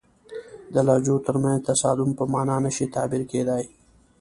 د لهجو ترمنځ تصادم په معنا نه شي تعبیر کېدای.